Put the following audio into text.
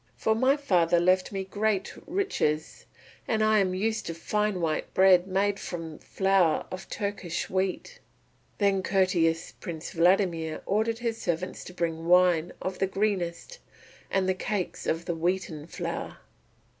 For my father left me great riches, and I am used to fine white bread made from flour of Turkish wheat." Then courteous Prince Vladimir ordered his servants to bring wine of the greenest and cakes of wheaten flour.